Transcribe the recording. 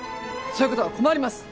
そういう事は困ります。